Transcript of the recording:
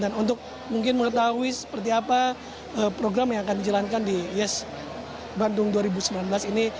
dan untuk mungkin mengetahui seperti apa program yang akan dijalankan di yes bandung dua ribu sembilan belas ini